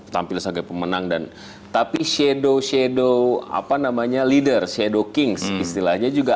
tampil sebagai pemenang dan tapi shadow shadow apa namanya leader shadow kings istilahnya juga